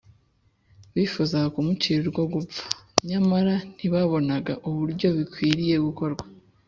bifuzaga kumucira urwo gupfa, nyamara ntibabonaga uburyo bikwiriye gukorwa